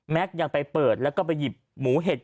ยังไปเปิดแล้วก็ไปหยิบหมูเห็ด